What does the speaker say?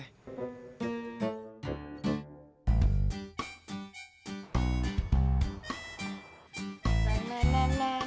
nah nah nah nah nah